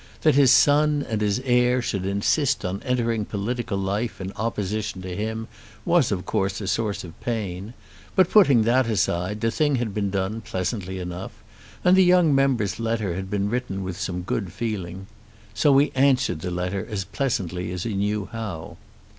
That his son and his heir should insist on entering political life in opposition to him was of course a source of pain; but, putting that aside, the thing had been done pleasantly enough, and the young member's letter had been written with some good feeling. So he answered the letter as pleasantly as he knew how.